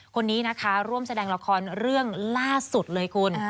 คนนี้นะคะร่วมแสดงละครเรื่องล่าสุดเลยคุณ